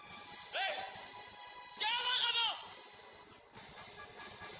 iya udah kalau polisi biar aku yang ngadepin